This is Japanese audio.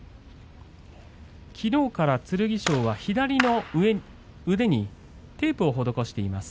きのうから剣翔は左の腕にテープを施しています。